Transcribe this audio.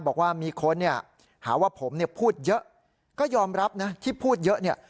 บอกว่ามีคนเนี่ยหาว่าผมเนี่ยพูดเยอะก็ยอมรับนะที่พูดเยอะเนี่ย